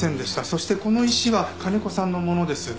そしてこの石は金子さんのものです。